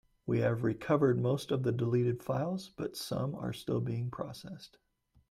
We have recovered most of the deleted files, but some are still being processed.